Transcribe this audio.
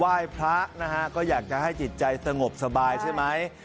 ไหว้พระนะฮะก็อยากจะให้จิตใจสงบสบายใช่ไหม